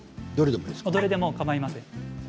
どれでもかまいません。